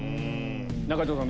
中条さん